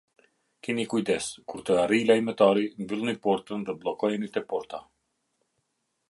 Kini kujdes, kur të arrijë lajmëtari, mbyllni portën dhe bllokojeni te porta.